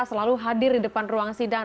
selalu hadir di depan ruang sidang